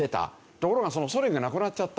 ところがそのソ連がなくなっちゃった。